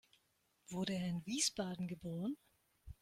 Wurde er in Wiesbaden geboren?